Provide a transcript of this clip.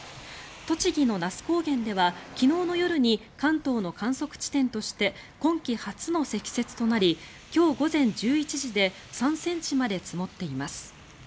栃木の那須高原では昨日の夜に関東の観測地点として今季初の積雪となり今日午前１１時で３ｃｍまで積もっています。